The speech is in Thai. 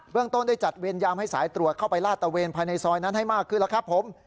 เรื่องต้นได้จัดเวรยามให้สายตรวจเข้าไปลาดตะเวนภายในซอยนั้นให้มากขึ้นแล้วครับผม